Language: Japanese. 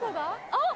あっ！